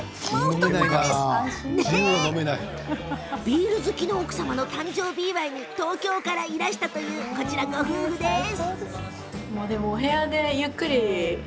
ビール好きの奥様の誕生日祝いに東京からいらしたご夫婦です。